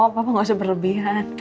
papa gak usah berlebihan